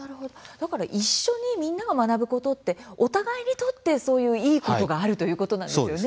だから一緒にみんなが学ぶことってお互いにとってそういういいことがあるということなんですよね。